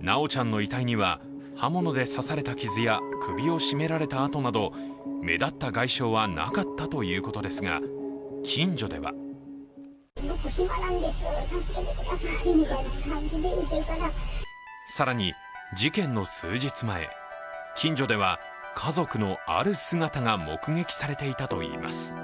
修ちゃんの遺体には、刃物で刺された傷や首を絞められた痕など、目立った外傷はなかったということですが近所では更に事件の数日前、近所では家族のある姿が目的されていたといいます。